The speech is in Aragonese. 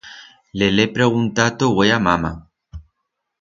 Le'l he preguntato hue a mama.